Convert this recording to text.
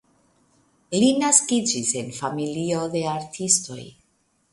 Li naskiĝis en familio de artistoj.